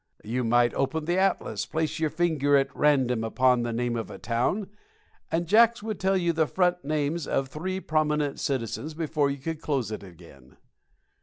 You might open the atlas, place your finger at random upon the name of a town, and Jacks would tell you the front names of three prominent citizens before you could close it again.